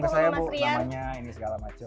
ke saya bu namanya ini segala macam